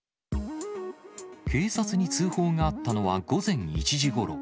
警察に通報があったのは午前１時ごろ。